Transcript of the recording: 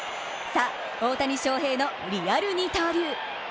さあ、大谷翔平のリアル二刀流！